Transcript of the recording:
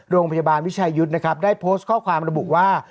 โรงพยาบาลวิชายุทธ์นะครับได้โพสต์ข้อความระบุว่า